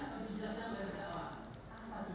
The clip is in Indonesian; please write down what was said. setelah ada di atasnya